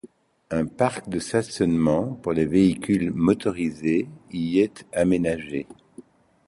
Un parc de stationnement pour les véhicules motorisés y est aménagé.